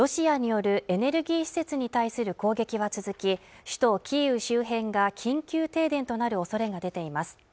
ロシアによるエネルギー施設に対する攻撃は続き首都キーウ周辺が緊急停電となるおそれが出ています